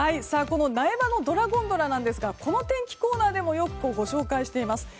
苗場のドラゴンドラですがこの天気コーナーでもよくご紹介しています。